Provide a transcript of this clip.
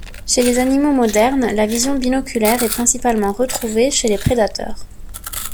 Chez les animaux modernes, la vision binoculaire est principalement retrouvée chez les prédateurs.